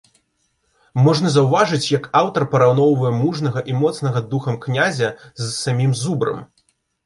Можна заўважыць, як аўтар параўноўвае мужнага і моцнага духам князя з самім зубрам.